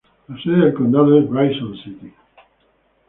La sede del condado es Bryson City.